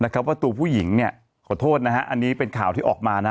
ว่าตัวผู้หญิงขอโทษนะฮะอันนี้เป็นข่าวที่ออกมานะ